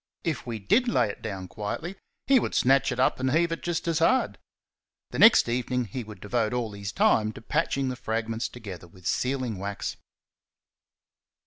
If we DID lay it down quietly he would snatch it up and heave it out just as hard. The next evening he would devote all his time to patching the fragments together with sealing wax.